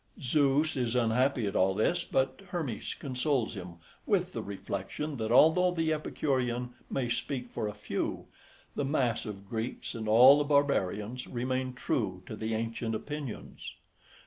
Zeus is unhappy at all this, but Hermes consoles him with the reflection that although the Epicurean may speak for a few, the mass of Greeks, and all the barbarians, remain true to the ancient opinions.